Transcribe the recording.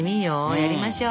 やりましょう。